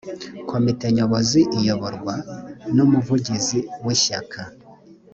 komite nyobozi iyoborwa n umuvugizi w’ishyaka